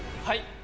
はい。